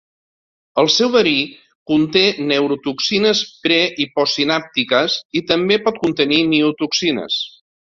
El seu verí conté neurotoxines pre- i postsinàptiques, i també pot contenir miotoxines.